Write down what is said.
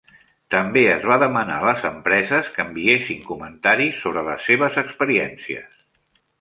També es va demanar a les empreses que enviessin comentaris sobre les seves experiències.